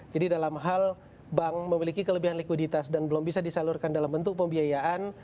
jadi dalam hal bank memiliki kelebihan likuiditas dan belum bisa disalurkan dalam bentuk pembiayaan